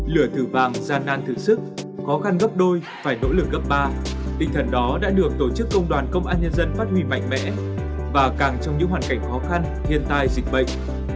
lửa thử vàng gian nan thử sức khó khăn gấp đôi phải nỗ lực gấp ba tinh thần đó đã được tổ chức công đoàn công an nhân dân phát huy mạnh mẽ và càng trong những hoàn cảnh khó khăn thiên tai dịch bệnh